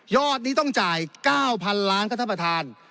อดนี้ต้องจ่าย๙๐๐ล้านครับท่านประธาน